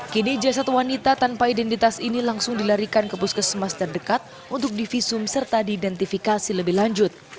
kini jasad wanita tanpa identitas ini langsung dilarikan ke puskesmas terdekat untuk divisum serta diidentifikasi lebih lanjut